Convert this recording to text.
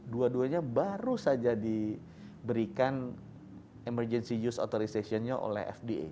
dua duanya baru saja diberikan emergency use authorization nya oleh fda